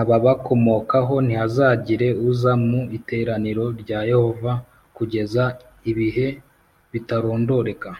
ababakomokaho ntihazagire uza mu iteraniro rya Yehova kugeza ibihe bitarondoreka